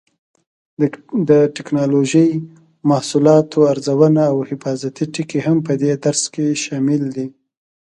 د ټېکنالوجۍ محصولاتو ارزونه او حفاظتي ټکي هم په دې درس کې شامل دي.